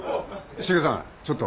シゲさんちょっと。